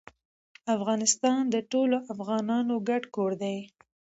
افغانستان د ټولو افغانانو ګډ کور ده.